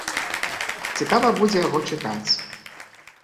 Цікава будзе яго чытаць.